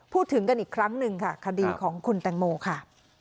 พูดถึงกันอีกครั้งหนึ่งค่ะคดีของคุณแตงโมค่ะ